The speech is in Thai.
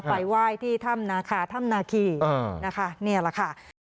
ไปไหว้ที่ถ้ำนาคาถ้ำนาคีนะคะนี่แหละค่ะ